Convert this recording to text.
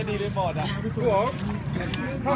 อ้าวรับทราบรับทราบ